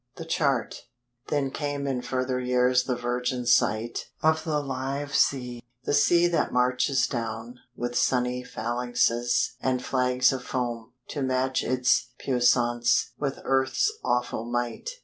THE CHART Then came in further years the virgin sight Of the live sea; the sea that marches down, With sunny phalanxes and flags of foam, To match its puissance with earth's awful might.